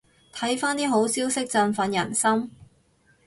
睇返啲好消息振奮人心